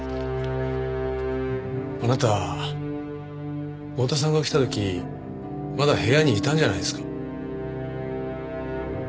あなた剛田さんが来た時まだ部屋にいたんじゃないですか？